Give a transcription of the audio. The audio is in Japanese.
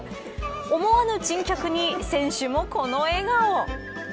思わぬ珍客に選手もこの笑顔。